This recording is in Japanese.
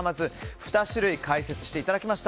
２種類解説していただきました。